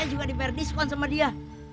saya juga diberi diskon sama dia